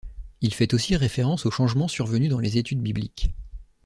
Il fait aussi référence aux changements survenus dans les études bibliques.